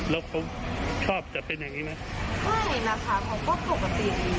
แล้วเขาชอบจะเป็นอย่างงี้ไหมไม่นะคะเขาก็ปกติดี